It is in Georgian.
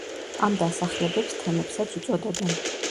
ამ დასახლებებს თემებსაც უწოდებენ.